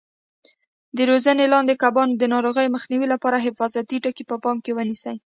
د روزنې لاندې کبانو د ناروغیو مخنیوي لپاره حفاظتي ټکي په پام کې ونیسئ.